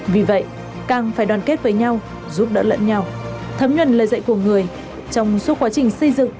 vì vậy càng phải đoàn kết với nhau giúp đỡ lẫn nhau thấm nhuần lời dạy của người trong suốt quá trình xây dựng